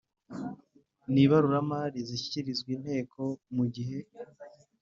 N ibaruramari zishyikirizwa inteko mu gihe